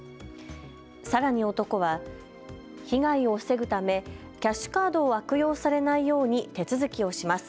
さらに男は被害を防ぐためキャッシュカードを悪用されないように手続きをします。